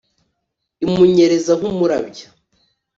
imunyereza nk’umurabyo